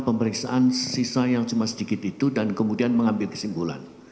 pemeriksaan sisa yang cuma sedikit itu dan kemudian mengambil kesimpulan